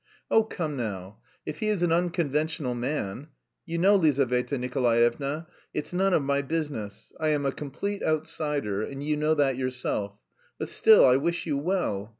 "Oh! Come now. If he is an unconventional man! You know, Lizaveta Nikolaevna, it's none of my business. I am a complete outsider, and you know that yourself. But, still, I wish you well....